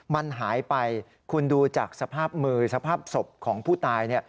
มันหายไปคุณดูจากสภาพมือสภาพศพของผู้ตาย